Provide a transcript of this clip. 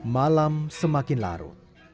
malam semakin larut